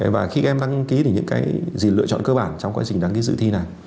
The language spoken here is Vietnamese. và khi em đăng ký thì những cái gì lựa chọn cơ bản trong quá trình đăng ký dự thi này